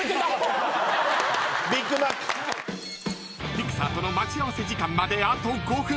［ピクサーとの待ち合わせ時間まであと５分］